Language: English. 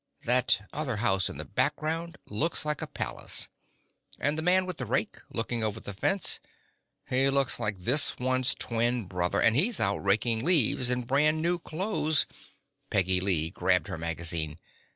That other house in the background looks like a palace, and the man with the rake, looking over the fence: he looks like this one's twin brother, and he's out raking leaves in brand new clothes " Pretty Lee grabbed her magazine.